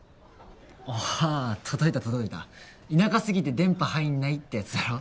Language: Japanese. ああ届いた届いた田舎すぎて電波入んないってやつだろ？